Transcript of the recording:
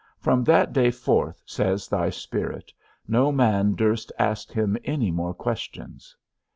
From that day forth, says thy Spirit, no man durst ask him any more questions.